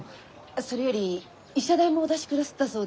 それより医者代もお出しくだすったそうで。